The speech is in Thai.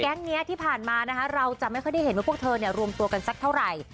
นี้ที่ผ่านมานะคะเราจะไม่ค่อยได้เห็นว่าพวกเธอรวมตัวกันสักเท่าไหร่